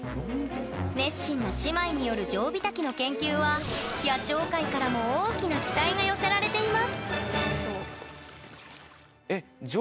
熱心な姉妹によるジョウビタキの研究は野鳥界からも大きな期待が寄せられています